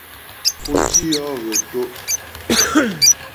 Pǒ tî yɔ́ hə̀ tɔ́' ?